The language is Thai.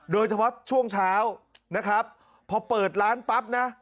โดยเฉพาะช่วงเช้านะครับพอเปิดร้านปั๊บนะ